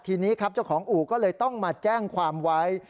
ทีนี้ครับเจ้าของอู่ก็เลยต้องมาแจ้งความไว้